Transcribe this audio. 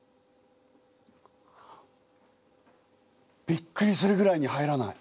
びっくりするぐらいに入らない。